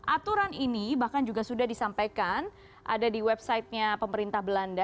aturan ini bahkan juga sudah disampaikan ada di websitenya pemerintah belanda